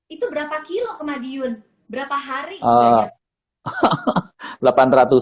itu berapa kilo ke madiun berapa hari